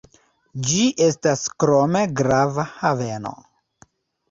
Ĝi estas krome grava haveno.